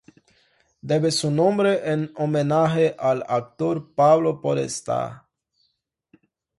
Debe su nombre en homenaje al actor Pablo Podestá.